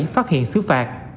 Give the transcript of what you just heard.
phát hiện xứ phạt